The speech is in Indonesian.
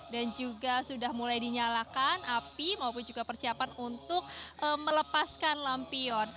dan juga sudah mulai dinyalakan api maupun juga persiapan untuk melepaskan lampion